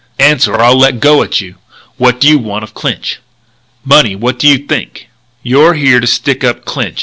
"Answer, or I'll let go at you. What do you want of Clinch?" "Money. What do you think?" "You're here to stick up Clinch?"